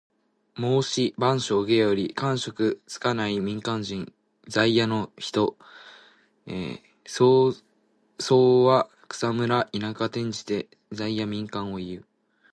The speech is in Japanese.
『孟子』「万章・下」より。官職に就かない民間人。在野の人。「草莽」は草むら・田舎。転じて在野・民間をいう。